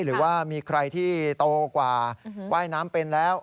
หรือว่ามีใครที่โตกว่าว่ายน้ำเป็นแล้ว